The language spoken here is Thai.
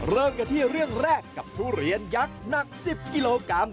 เริ่มกันที่เรื่องแรกกับทุเรียนยักษ์หนัก๑๐กิโลกรัม